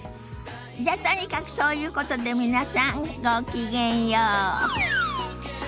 じゃとにかくそういうことで皆さんごきげんよう。